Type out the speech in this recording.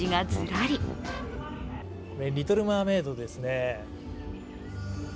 「リトル・マーメイド」ですね。